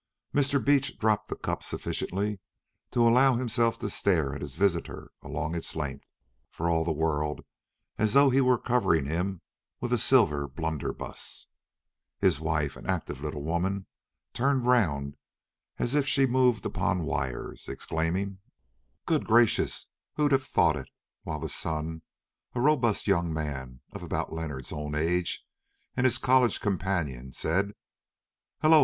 Mr. Beach dropped the cup sufficiently to allow himself to stare at his visitor along its length, for all the world as though he were covering him with a silver blunderbuss. His wife, an active little woman, turned round as if she moved upon wires, exclaiming, "Good gracious, who'd have thought it?" while the son, a robust young man of about Leonard's own age and his college companion, said "Hullo!